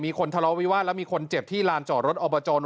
มีคนทะเลาวิวาสแล้วมีคนเจ็บที่ลานจอดรถอบประจอม